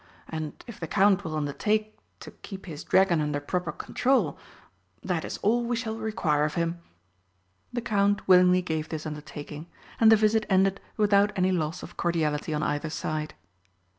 And if the Count will undertake to keep his dragon under proper control, that is all we shall require of him." The Count willingly gave this undertaking, and the visit ended without any loss of cordiality on either side.